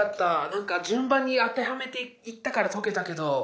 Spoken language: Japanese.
何か順番に当てはめていったから解けたけど。